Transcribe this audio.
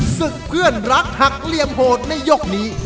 ศึกเพื่อนรักหักเหลี่ยมโหดในยกนี้